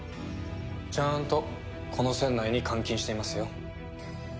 ちゃんとこの船内に監禁していますよ。